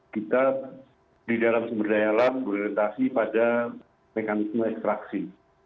kita di dalam sumber daya alam berorientasi pada mekanisme ekstraksi